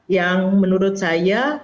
yang menurut saya